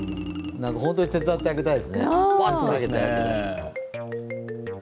本当に手伝ってあげたいですね。